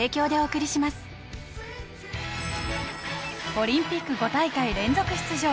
オリンピック５大会連続出場。